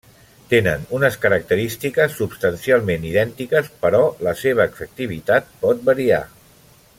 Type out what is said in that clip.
Tenen unes característiques substancialment idèntiques, però la seva efectivitat pot variar.